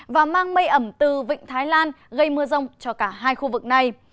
và mang mây ẩm từ vịnh thái lan gây mưa rông cho cả hai khu vực này